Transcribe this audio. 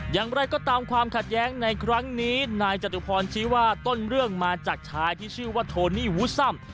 อย่างไรก็ตามความขัดแย้งในครั้งนี้นายจตุพรชี้ว่าต้นเรื่องมาจากชายที่ชื่อว่าโทนี่วูซัม